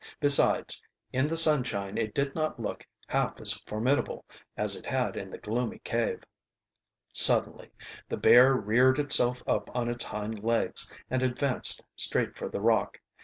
Besides, in the sunshine it did not look half as formidable as it had in the gloomy cave. Suddenly the bear reared itself up on its hind legs and advanced straight for the rock.